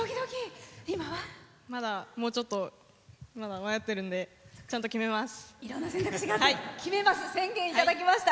まだもうちょっと迷ってるんでちゃんと決めます。